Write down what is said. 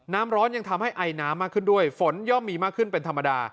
น้ำร้อนยังทำให้ไอน้ำมากขึ้นด้วยฝนย่อมมีมากขึ้นเป็นธรรมดา